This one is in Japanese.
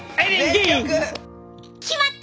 決まった！